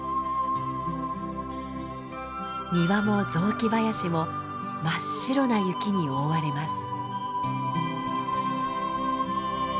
庭も雑木林も真っ白な雪に覆われます。